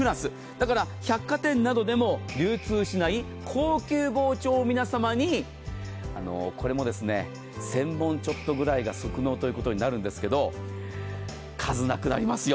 だから、百貨店なんかでも流通しない高級包丁を皆様にこれも１０００本ちょっとぐらいが即納ということになるんですが数、なくなりますよ。